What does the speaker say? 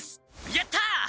やった！